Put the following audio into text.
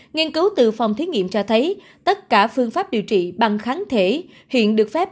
nghiên cứu từ phòng thí nghiệm cho thấy tất cả phương pháp điều trị bằng kháng thể hiện được phép